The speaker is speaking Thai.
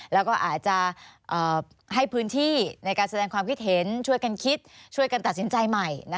แล้วก็อาจจะให้พื้นที่ในการแสดงความคิดเห็นช่วยกันคิดช่วยกันตัดสินใจใหม่